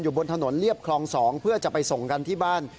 บนถนนเรียบคลอง๒เพื่อจะไปส่งกันที่บ้าน